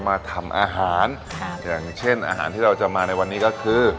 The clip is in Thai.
มาทำอาหารค่ะอย่างเช่นอาหารที่เราจะมาในวันนี้ก็คือ